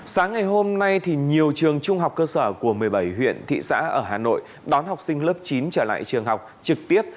sáng ngày hôm nay thì nhiều trường trung học cơ sở của một mươi bảy huyện thị xã ở hà nội đón học sinh lớp chín trở lại trường học trực tiếp